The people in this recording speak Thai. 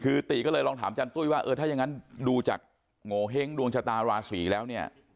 คือติก็เลยลองถามอาจารย์ตุ้ยว่าเออถ้ายังงั้นดูจากโงเห้งดวงชะตาราศีแล้วเนี่ย